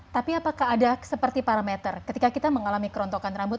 tapi apakah ada seperti parameter ketika kita mengalami kerontokan rambut